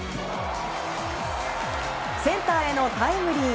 センターへのタイムリー。